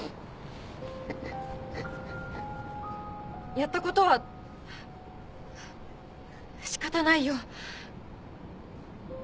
やったことは仕方ないよ